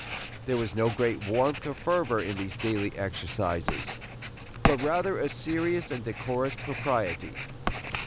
There was no great warmth or fervor in these daily exercises, but rather a serious and decorous propriety.